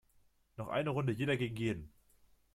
Noch eine Runde jeder gegen jeden!